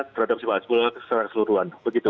terhadap sebuah sebuah keseluruhan